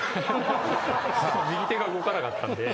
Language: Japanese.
右手が動かなかったんで。